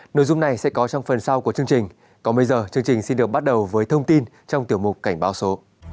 nội dung này sẽ có trong phần sau của chương trình còn bây giờ chương trình xin được bắt đầu với thông tin trong tiểu mục cảnh báo số